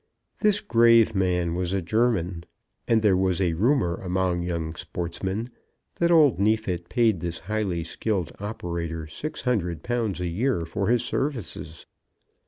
This grave man was a German, and there was a rumour among young sportsmen that old Neefit paid this highly skilled operator £600 a year for his services!